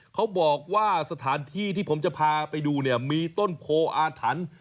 เขาบอกว่าสถานที่ที่ผมจะพาไปดูเนี่ยมีต้นโพออาถรรพ์